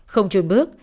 không truyền bước